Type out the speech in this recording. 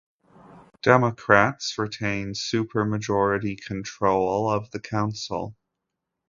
Democrats retained supermajority control of the council.